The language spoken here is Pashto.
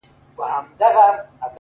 • ليري له بلا سومه ـچي ستا سومه ـ